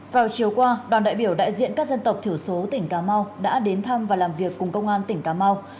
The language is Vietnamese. vào chiều qua đoàn đại biểu đại diện các dân tộc thiểu số tỉnh cà mau đã đến thăm và làm việc cùng công an tỉnh cà mau